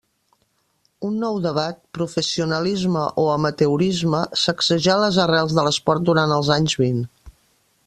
Un nou debat, professionalisme o amateurisme, sacsejà les arrels de l'esport durant els anys vint.